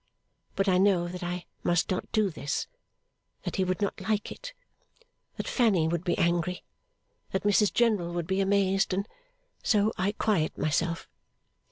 But I know that I must not do this; that he would not like it, that Fanny would be angry, that Mrs General would be amazed; and so I quiet myself.